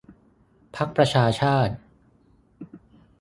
พรรคประชาชาติ